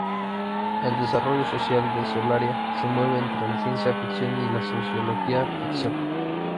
El desarrollo social de Solaria se mueve entre la ciencia ficción y la sociología-ficción.